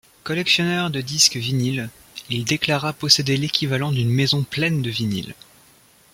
Collectionneur de disques vinyles, il déclara posséder l'équivalent d'une maison pleine de vinyles.